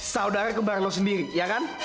saudara kembar lo sendiri ya kan